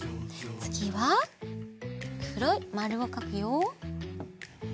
つぎはくろいまるをかくよ。